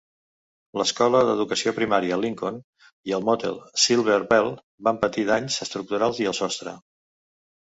L'Escola d'Educació Primària Lincoln i el motel Silver Bell van patir danys estructurals i al sostre.